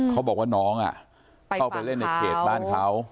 เขาบอกว่าน้องเข้าไปเล่นในเขตบ้านเขา